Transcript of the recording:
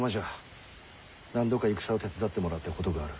何度か戦を手伝ってもらったことがある。